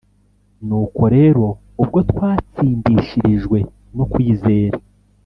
nuko rero ubwo twatsindishirijwe no kwizera